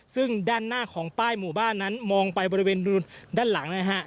ซึ่งด้านหน้าของป้ายหมู่บ้านนั้นมองไปบริเวณด้านหลังนะฮะ